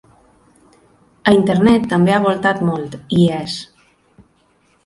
A internet també ha voltat molt, i hi és.